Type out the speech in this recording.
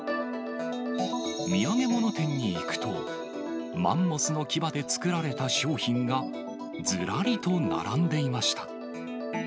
土産物店に行くと、マンモスの牙で作られた商品がずらりと並んでいました。